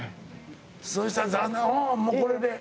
そしたら残念もうこれで。